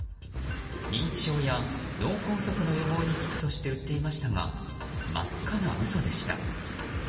認知症や脳梗塞の予防に効くとして売っていましたが真っ赤な嘘でした。